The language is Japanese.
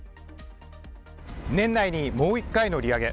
年内にもう１回の利上げ。